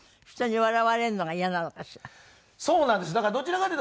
人に笑われるのが嫌なのかしら？